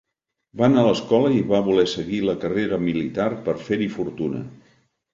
Va anar a escola i va voler seguir la carrera militar per fer-hi fortuna.